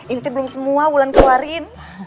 ini belum semua bulan keluarin